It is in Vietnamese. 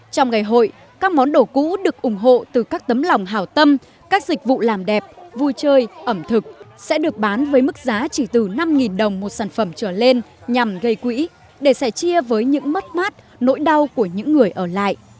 trong ngày hội các món đồ cũ được ủng hộ từ các tấm lòng hào tâm các dịch vụ làm đẹp vui chơi ẩm thực sẽ được bán với mức giá chỉ từ năm đồng một sản phẩm trở lên nhằm gây quỹ để sẻ chia với những mất mát nỗi đau của những người ở lại